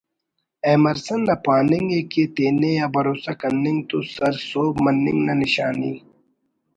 ایمرسن نا پاننگ ءِ کہ ”تینے آ بھروسہ کننگ تو سر سہب مننگ نا نشانی